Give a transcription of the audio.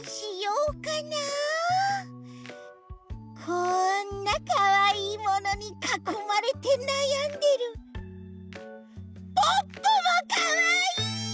こんなかわいいものにかこまれてなやんでるポッポもかわいい！